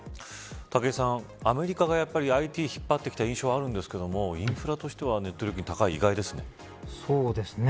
武井さん、アメリカがＩＴを引っ張ってきた印象があるんですがインフラとしてはネット料金高いそうですね。